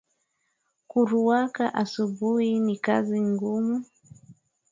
Kuruaka asubuhi ni kazi ngumu